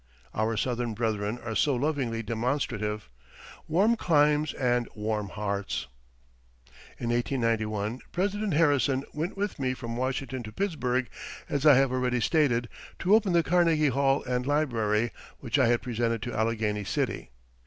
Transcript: Our Southern brethren are so lovingly demonstrative. Warm climes and warm hearts. In 1891 President Harrison went with me from Washington to Pittsburgh, as I have already stated, to open the Carnegie Hall and Library, which I had presented to Allegheny City.